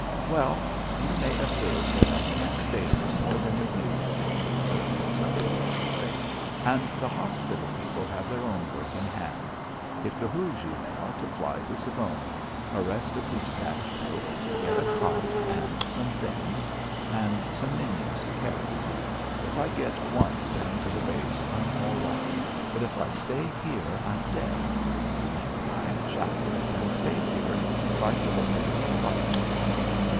"Well, you may observe that I can't stay here more than a year," said Tailor, with some oratory, "and the hospital people have their own work in hand. It behoves you, Nell, to fly to Siboney, arrest a despatch boat, get a cot and some other things, and some minions to carry me. If I get once down to the base I'm all right, but if I stay here I'm dead. Meantime Shackles can stay here and try to look as if he liked it."